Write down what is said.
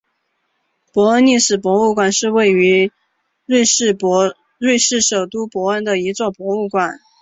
伯恩历史博物馆是位于瑞士首都伯恩的一座博物馆。